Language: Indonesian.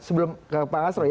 sebelum pak astro